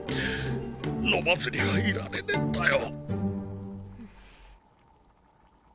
飲まずにはいられねぇんだよ。